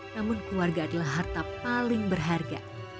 namun keluarga adalah harta paling berharga